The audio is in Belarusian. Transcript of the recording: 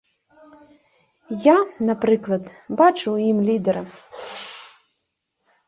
Я, напрыклад, бачу ў ім лідара.